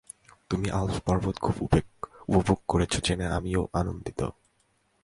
তুমি আলপস পর্বত খুব উপভোগ করছ জেনে আমিও আনন্দিত।